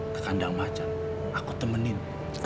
kekandang macan aku temenin